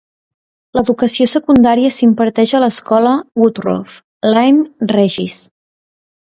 L'educació secundària s'imparteix a l'escola Woodroffe, Lyme Regis.